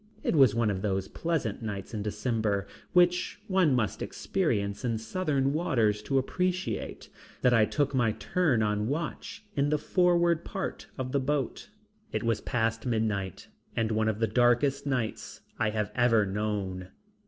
It was one of those pleasant nights in December, which one must experience in southern waters to appreciate, that I took my turn on watch in the forward part of the boat. It was past midnight and one of the darkest nights I have ever known.